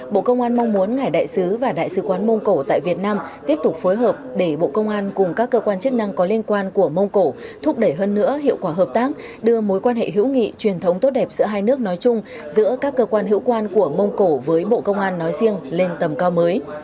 bộ công an mong muốn ngài đại sứ và đại sứ quán mông cổ tại việt nam tiếp tục phối hợp để bộ công an cùng các cơ quan chức năng có liên quan của mông cổ thúc đẩy hơn nữa hiệu quả hợp tác đưa mối quan hệ hữu nghị truyền thống tốt đẹp giữa hai nước nói chung giữa các cơ quan hữu quan của mông cổ với bộ công an nói riêng lên tầm cao mới